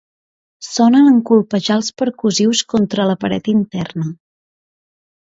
Sonen en colpejar els percussius contra la paret interna.